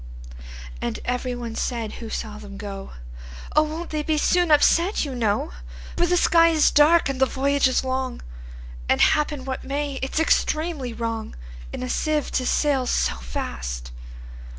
And every one said who saw them go,"Oh! won't they be soon upset, you know:For the sky is dark, and the voyage is long; And, happen what may, it 's extremely wrongIn a sieve to sail so fast."